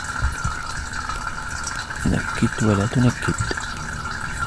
نَكّتْ ولا تُنكّد.